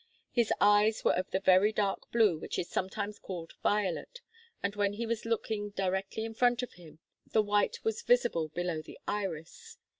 His eyes were of the very dark blue which is sometimes called violet, and when he was looking directly in front of him, the white was visible below the iris.